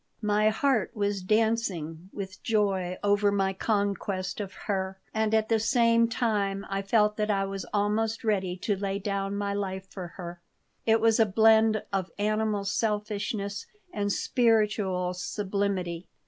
My heart was dancing with joy over my conquest of her, and at the same time I felt that I was almost ready to lay down my life for her. It was a blend of animal selfishness and spiritual sublimity.